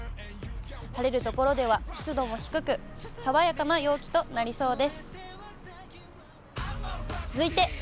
晴れる所では、湿度も低く、爽やかな陽気となりそうです。